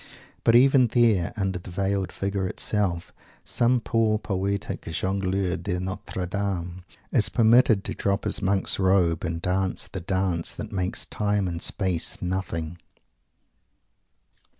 But even there, under the veiled Figure itself, some poor poetic "Jongleur de Notre Dame" is permitted to drop his monk's robe, and dance the dance that makes time and space nothing!